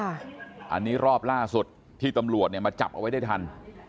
อันนี้รอบล่าสุดที่ตำรวจเนี่ยมาจับเอาไว้ได้ทัน